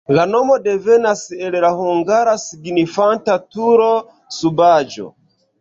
La nomo devenas el la hungara, signifanta turo-subaĵo.